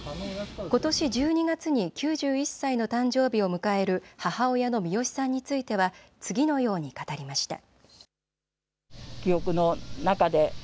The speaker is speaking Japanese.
ことし１２月に９１歳の誕生日を迎える母親のミヨシさんについては次のように語りました。